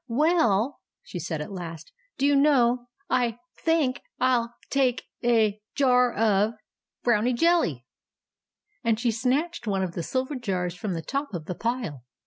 " Well," she said at last, " do you know — I — think — I '11 — take — a — jar — of — Brownie jelly." And she snatched one of the silver jars from the top of the pile.